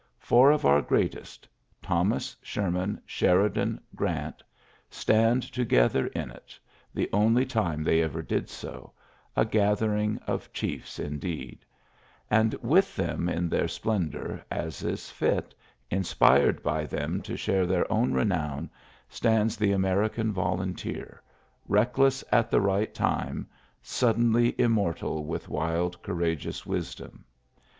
Pour of our greatest — Thomas, Sherman, Sheridan, Grant — stand together in it, the only time they ever did so, — a gathering of chiefs, indeed ; and with them in their splendour, as is fit, inspired by them to share their own renown, stands the American volunteer, reckless at the. right time, suddenly immortal with wild courageous wisdom.